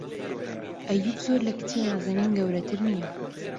ئەییووب زۆر لە کچی نازەنین گەورەتر نییە.